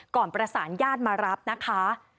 ก่อนประสานญาติมารับนะคะ